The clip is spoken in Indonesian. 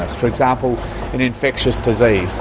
terutama untuk hidup mereka